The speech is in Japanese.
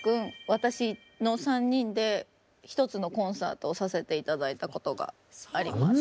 私の３人で一つのコンサートをさせて頂いたことがあります。